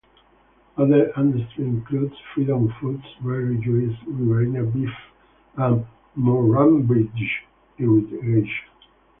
Other industry includes Freedom Foods, Berri Juices, Riverina Beef and Murrumbidgee Irrigation.